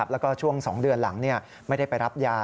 แล้วก็ช่วง๒เดือนหลังไม่ได้ไปรับยา